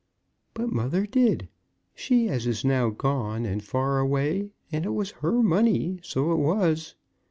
"But mother did; she as is now gone, and far away; and it was her money, so it was."